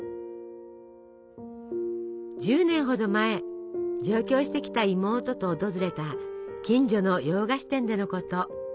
１０年ほど前上京してきた妹と訪れた近所の洋菓子店でのこと。